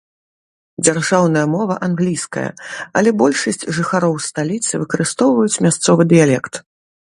Дзяржаўная мова англійская, але большасць жыхароў сталіцы выкарыстоўваюць мясцовы дыялект.